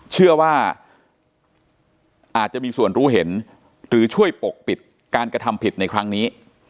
เชื่อว่าอาจจะมีส่วนรู้เห็นหรือช่วยปกปิดการกระทำผิดในครั้งนี้